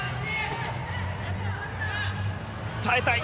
耐えたい。